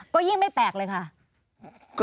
ก็ยิ่งไม่แปลกเลยค่ะ